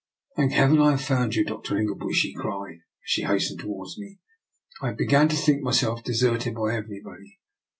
" Thank Heaven, I have found you, Dr. Ingleby,'* she cried, as she hastened towards me. " I had begun to think myself deserted by everybody.''